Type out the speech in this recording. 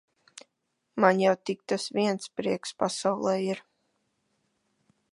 Man jau tik tas viens prieks pasaulē ir.